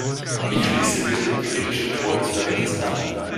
Ich schließe mich dem kritischen Ton des Berichts an.